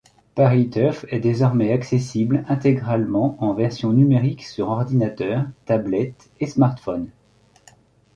Paris-Turf est désormais accessible intégralement en version numérique sur ordinateur, tablette et smartphone.